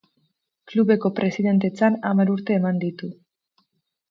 Klubeko presidentetzan hamar urte eman ditu.